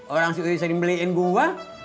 orang si uy sering beliin gua